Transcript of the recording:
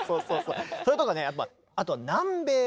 それとかねやっぱあとは南米。